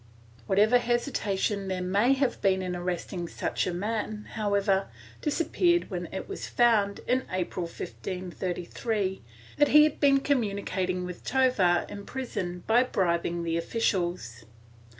What ever hesitation there may have been in arresting such a man, however, disappeared when it was found, in April, 1533, that he had been communicating with Tovar in prison, by bribing the officials.